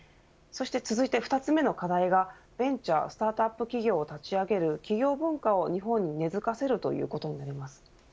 続いて２つ目の課題がベンチャースタートアップ企業を立ち上げる起業文化を日本に根づかせるということです。